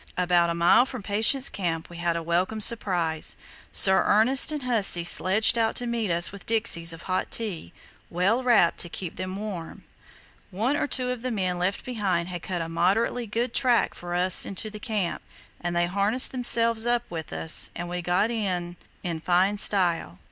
"About a mile from Patience Camp we had a welcome surprise. Sir Ernest and Hussey sledged out to meet us with dixies of hot tea, well wrapped up to keep them warm. "One or two of the men left behind had cut a moderately good track for us into the camp, and they harnessed themselves up with us, and we got in in fine style.